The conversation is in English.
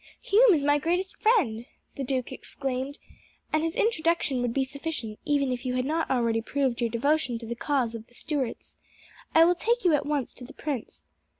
"Hume is my greatest friend," the duke exclaimed, "and his introduction would be sufficient, even if you had not already proved your devotion to the cause of the Stuarts. I will take you at once to the prince.